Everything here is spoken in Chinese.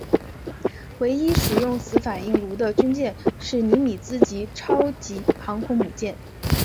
唯一使用此反应炉的军舰是尼米兹级超级航空母舰。